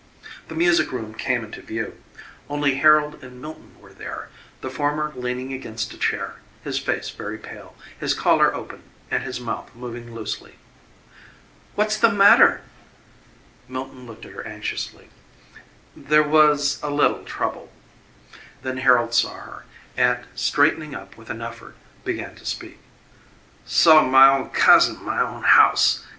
The music room came into view. Only Harold and Milton were there, the former leaning against a chair, his face very pale, his collar open, and his mouth moving loosely. "What's the matter?" Milton looked at her anxiously. "There was a little trouble " Then Harold saw her and, straightening up with an effort, began to speak. "Sult m'own cousin m'own house.